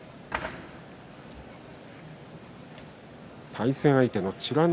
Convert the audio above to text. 対戦相手の美ノ